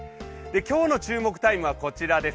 今日の注目タイムはこちらです。